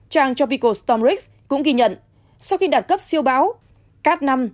trang tropical storm risk cũng ghi nhận sau khi đạt cấp siêu bão kat năm